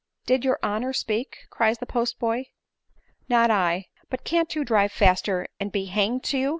Did your honor speak ?" cries the post boy. " Not I. But can't you drive faster and be hanged to you